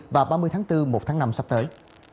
vào ba mươi tháng bốn một tháng năm sắp tới